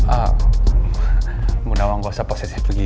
ah bunda wang gak usah posisi begini